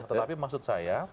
tetapi maksud saya